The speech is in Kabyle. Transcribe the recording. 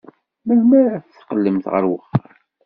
Melmi ara d-teqqlemt ɣer uxxam?